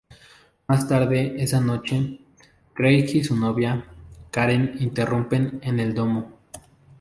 Más tarde esa noche, Craig y su novia, Karen, irrumpen en el domo.